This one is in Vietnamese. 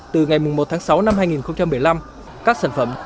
từ ngày một tháng sáu năm hai nghìn một mươi năm các sản phẩm